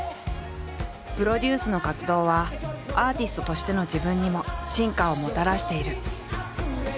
プロデュースの活動はアーティストとしての自分にも進化をもたらしている。